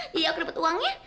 jadi aku dapat uangnya